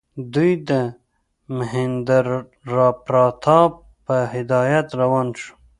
دوی د مهیندراپراتاپ په هدایت روان شوي.